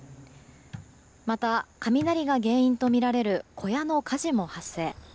また、雷が原因とみられる小屋の火事も発生。